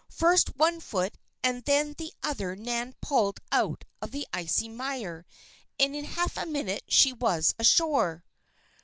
First one foot and then the other Nan pulled out of the icy mire, and in half a minute she was ashore.